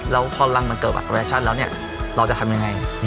แล้วข้อล่างมันเกิดแบบแฟชั่นแล้วเนี่ยเราจะทำอย่างไร